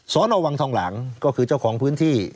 นวังทองหลังก็คือเจ้าของพื้นที่